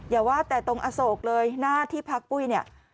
อย่าว่าแต่ตรงอโศกเลยหน้าที่พักปุ้ยเนี่ย